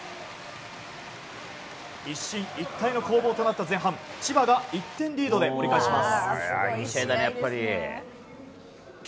一進一退の攻防となった前半千葉が１点リードで折り返します。